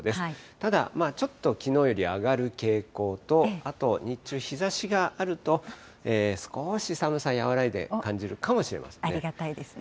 ただ、ちょっときのうより上がる傾向と、あと日中、日ざしがあると少し寒さ和らいで感じるかもしれませんね。